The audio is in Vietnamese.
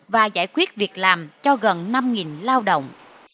và giải quyết việc làm cho gần năm lao động